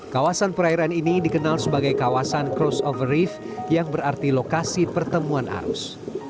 kawasan perairan ini dikenal sebagai kawasan crossover reef yang berarti lokasi pertemuan arus